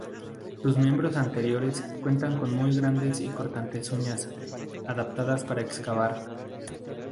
Sus miembros anteriores cuentan con muy grandes y cortantes uñas, adaptadas para excavar.